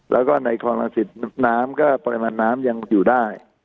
แล้วก็ในคลองรังสิตน้ำก็ปริมาณน้ำยังอยู่ได้